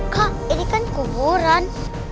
kak ini kan kuburan